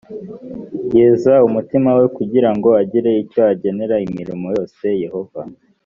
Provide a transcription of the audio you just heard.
yeza umutima we kugira ngo agire icyo agenera imirimo yose yehova